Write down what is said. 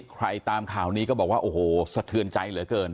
ตามข่าวนี้ก็บอกว่าโอ้โหสะเทือนใจเหลือเกิน